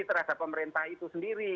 terhadap pemerintah itu sendiri